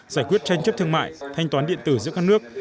giải quyết tranh chấp thương mại thanh toán điện tử giữa các nước